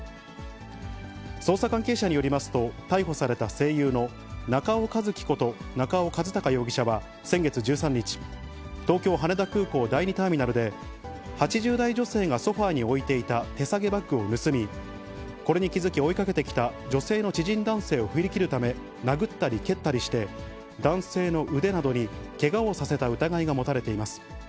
捜査関係者によりますと、逮捕された声優の中尾一貴こと中尾和貴容疑者は先月１３日、東京・羽田空港第２ターミナルで８０代女性がソファに置いていた手提げバッグを盗み、これに気づき追いかけてきた女性の知人男性を振り切るため殴ったり蹴ったりして、男性の腕などにけがをさせた疑いが持たれています。